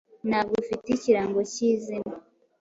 Ntabwo ufite ikirango cyizina